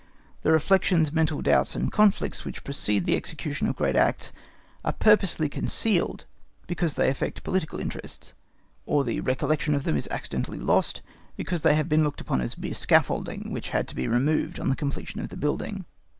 The reflections, mental doubts, and conflicts which precede the execution of great acts are purposely concealed because they affect political interests, or the recollection of them is accidentally lost because they have been looked upon as mere scaffolding which had to be removed on the completion of the building.